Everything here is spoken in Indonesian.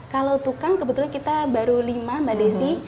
kalau tukang kebetulan kita baru lima mbak desi